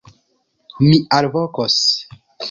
Mi alvokos!